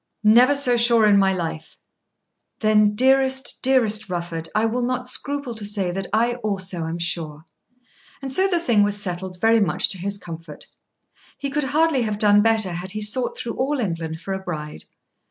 "Never so sure in my life." "Then dearest, dearest Rufford, I will not scruple to say that I also am sure." And so the thing was settled very much to his comfort. He could hardly have done better had he sought through all England for a bride.